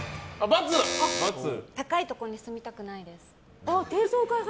高い所に住みたくないです。